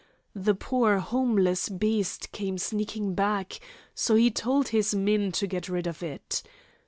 The poor homeless beast came sneaking back, so he told his men to get rid of it.